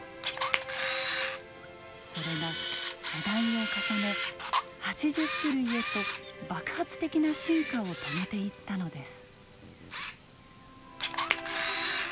それが世代を重ね８０種類へと爆発的な進化を遂げていったのです。